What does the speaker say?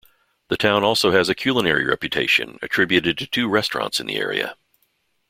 The town also has a culinary reputation attributed to two restaurants in the area.